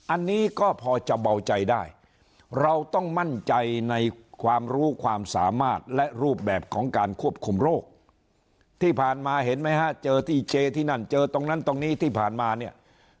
อันนี้ก็พอจะเบาใจได้เราต้องมั่นใจในความรู้ความสามารถและรูปแบบของการควบคุมโรคที่ผ่านมาเห็นไหมฮะเจอที่เจที่นั่นเจอตรงนั้นตรงนี้ที่ผ่านมาเนี่ย